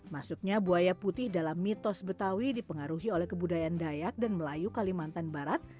masuknya buaya putih dalam mitos betawi dipengaruhi oleh kebudayaan dayak dan melayu kalimantan barat